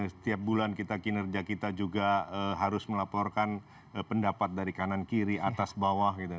setiap bulan kita kinerja kita juga harus melaporkan pendapat dari kanan kiri atas bawah gitu